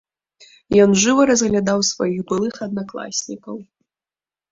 Ён жыва разглядаў сваіх былых аднакласнікаў.